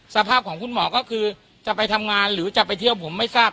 สภาพของคุณหมอก็คือจะไปทำงานหรือจะไปเที่ยวผมไม่ทราบ